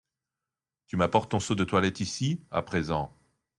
Tu m’apportes ton seau de toilette ici, à présent ?